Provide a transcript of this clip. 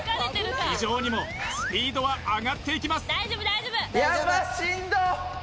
非情にもスピードは上がっていきます